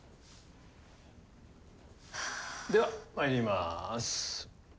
ではまいります。